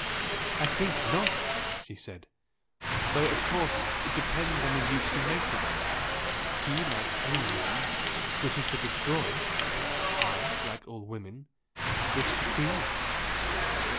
"I think not!" she said "Though of course it depends on the use he makes of it. He like all men wishes to destroy; I, like all women, wish to create!"